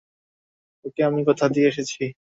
ওকে আমি কথা দিয়ে এসেছি!